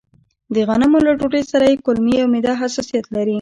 د غنمو له ډوډۍ سره يې کولمې او معده حساسيت لري.